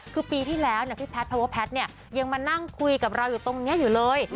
คือปีที่แล้วพี่แพทย์เพราะว่าแพทย์เนี่ยยังมานั่งคุยกับเราอยู่ตรงนี้อยู่เลย